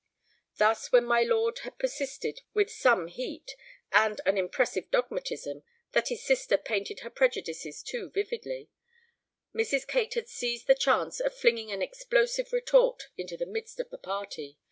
Thus when my lord had persisted with some heat and an impressive dogmatism that his sister painted her prejudices too vividly, Mrs. Kate had seized the chance of flinging an explosive retort into the midst of the party.